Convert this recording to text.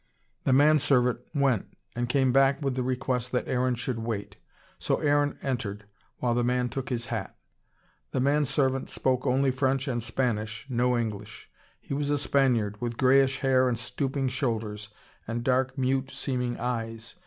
The manservant went, and came back with the request that Aaron should wait. So Aaron entered, while the man took his hat. The manservant spoke only French and Spanish, no English. He was a Spaniard, with greyish hair and stooping shoulders, and dark, mute seeming eyes.